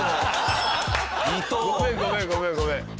ごめんごめんごめんごめん。